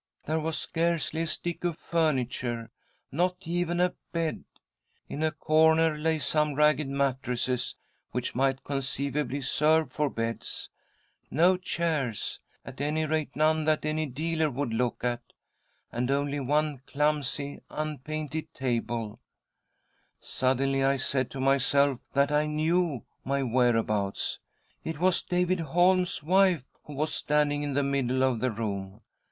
There was scarcely a stick of furniture, not even a bed. In a corner lay some ragged mattresses which _ might conceivably serve for beds. No chairs — at any rate, none that any dealer would look at — and only one clumsy unpainted table. ■■* i 11 f t : 114 THY SOUL SHALL BEAR WITNESS I " Suddenly I said to myself that I knew my whereabouts. It was David Holm's wife who was i standing in the middle of the room..